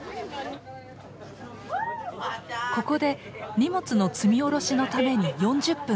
ここで荷物の積み下ろしのために４０分停車。